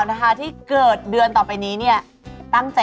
สวัสดีพี่ปู่โลกเบี้ยวค่ะ